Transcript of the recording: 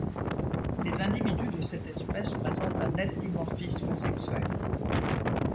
Les individus de cette espèce présentent un net dimorphisme sexuel.